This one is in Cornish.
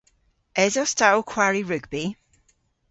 Esos ta ow kwari rugbi?